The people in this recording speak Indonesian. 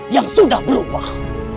yang sudah berubah